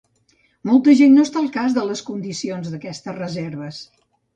Molta gent no està al cas de les condicions d'aquestes reserves.